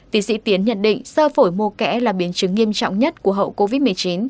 tiến sĩ tiến nhận định sơ phổi mô kẽ là biến chứng nghiêm trọng nhất của hậu covid một mươi chín